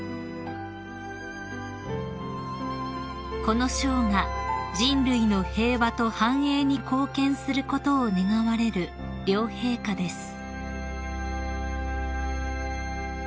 ［この賞が人類の平和と繁栄に貢献することを願われる両陛下です］